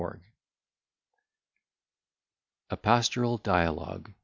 _] A PASTORAL DIALOGUE.